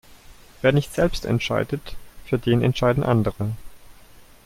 Wer nicht selbst entscheidet, für den entscheiden andere.